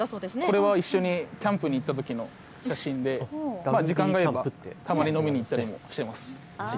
これは一緒にキャンプに行ったときの写真でたまに飲みに行ったりもしています。